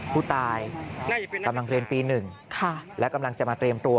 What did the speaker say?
ผู้ตายกำลังเรียนปี๑และกำลังจะมาเตรียมตัว